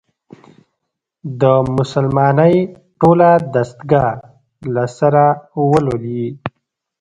د «مسلمانۍ ټوله دستګاه» له سره ولولي.